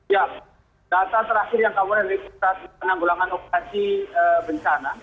ya data terakhir yang kami dari pusat penanggulangan operasi bencana